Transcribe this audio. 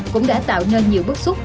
cũng đã tạo nên nhiều bức xúc